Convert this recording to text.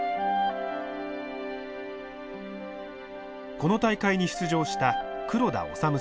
この大会に出場した黒田脩さんです。